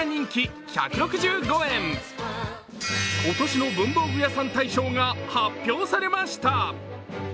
今年の文房具屋さん大賞が発表されました。